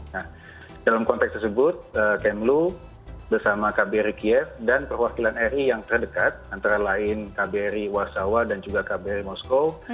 nah dalam konteks tersebut kemlu bersama kbri kiev dan perwakilan ri yang terdekat antara lain kbri warsawa dan juga kbri moskow